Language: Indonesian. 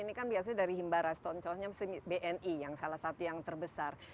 ini kan biasanya dari himbarat toncohnya bni yang salah satu yang terbesar